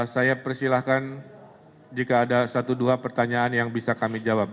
saya persilahkan jika ada satu dua pertanyaan yang bisa kami jawab